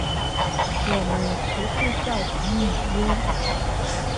我們持續造訪紐約